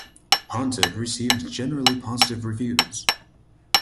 "Haunted" received generally positive reviews.